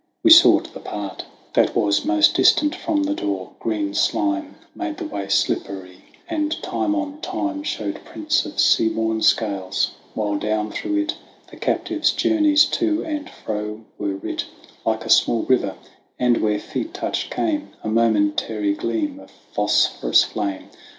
We sought the part That was most distant from the door; green slime Made the way slippery, and time on time Showed prints of sea born scales, while down through it The captives' journeys to and fro were writ Like a small river, and, where feet touched, came A momentary gleam of phosphorus flame.